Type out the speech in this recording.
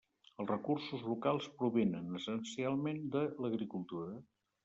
Els recursos locals provenen essencialment de l'agricultura.